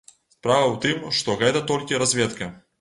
Справа ў тым, што гэта толькі разведка.